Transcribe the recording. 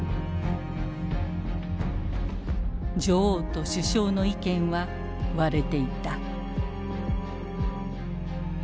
女王と首相の意見は割れていた。